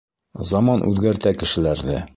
Заман үҙгәртә кешеләрҙе.